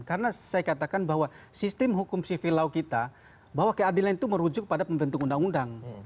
karena saya katakan bahwa sistem hukum sivil law kita bahwa keadilan itu merujuk pada pembentuk undang undang